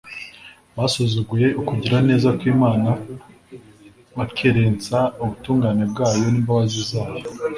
basuzuguye ukugira neza kw’imana, bakerensa ubutungane bwayo n’imbabazi zayo